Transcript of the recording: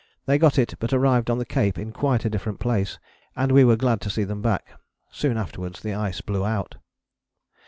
They got it, but arrived on the cape in quite a different place, and we were glad to see them back. Soon afterwards the ice blew out.